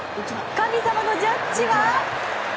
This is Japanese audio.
神様のジャッジは。